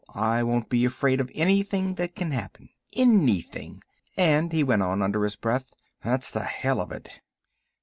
I won't be afraid of anything that can happen—anything. And," he went on, under his breath, "that's the hell of it."